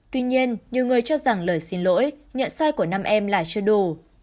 tuy nhiên nhiều người cho rằng lời xin lỗi nhận sai của năm em là chưa đủ